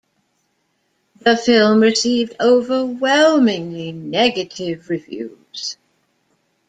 The film received overwhelmingly negative reviews.